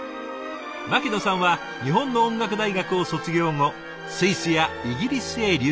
牧野さんは日本の音楽大学を卒業後スイスやイギリスへ留学。